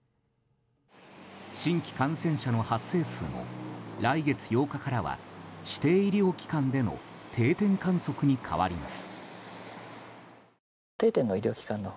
新規感染者の発生数も来月８日からは指定医療機関での定点観測に変わります。